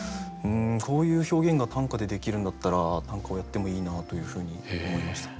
こういう表現が短歌でできるんだったら短歌をやってもいいなというふうに思いました。